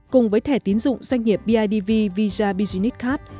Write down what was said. cùng với thẻ tín dụng doanh nghiệp bidv visa business khác